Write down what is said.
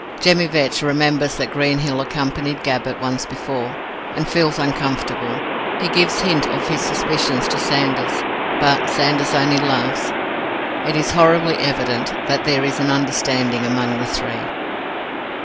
Jemmy Vetch remembers that Greenhill accompanied Gabbett once before, and feels uncomfortable. He gives hint of his suspicions to Sanders, but Sanders only laughs. It is horribly evident that there is an understanding among the three.